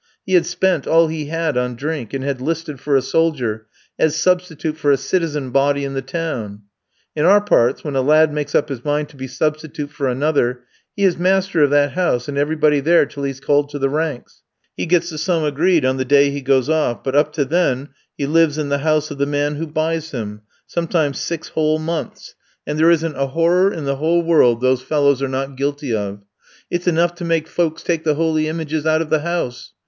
He had spent all he had on drink, and had 'listed for a soldier, as substitute for a citizen body in the town. In our parts, when a lad makes up his mind to be substitute for another, he is master of that house and everybody there till he's called to the ranks. He gets the sum agreed on the day he goes off, but up to then he lives in the house of the man who buys him, sometimes six whole months, and there isn't a horror in the whole world those fellows are not guilty of. It's enough to make folks take the holy images out of the house.